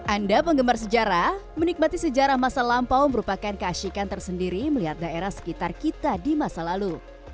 anda penggemar sejarah menikmati sejarah masa lampau merupakan keasikan tersendiri melihat daerah sekitar kita di masa lalu